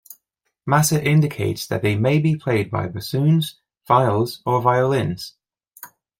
Masse indicates that they may be played by bassoons, viols or violins.